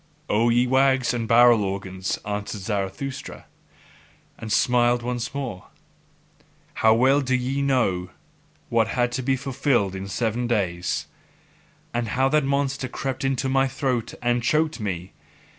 O ye wags and barrel organs! answered Zarathustra, and smiled once more, how well do ye know what had to be fulfilled in seven days: And how that monster crept into my throat and choked me!